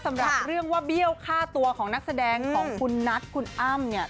สำหรับเรื่องว่าเบี้ยวฆ่าตัวของนักแสดงของคุณนัทคุณอ้ำเนี่ย